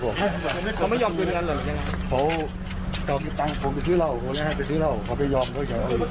ทำไมเราถึงต้องโกหกว่าเราเค้าฆ่าตัวเอง